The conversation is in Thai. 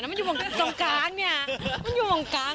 มันอยู่บางทางกลางเนี่ยมันอยู่บางทางกลาง